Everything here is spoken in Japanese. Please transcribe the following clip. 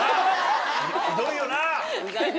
ひどいよな。